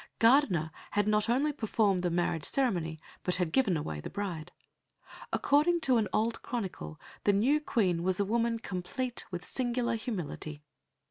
Gardiner had not only performed the marriage ceremony but had given away the bride. According to an old chronicle the new Queen was a woman "compleat with singular humility."